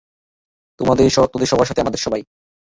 তোদের সবার সাথে, আমাদের সবাই।